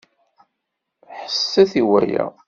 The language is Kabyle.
Ḥesset i waya!